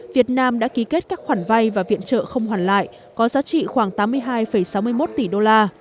việt nam đã ký kết các khoản vay và viện trợ không hoàn lại có giá trị khoảng tám mươi hai sáu mươi một tỷ đô la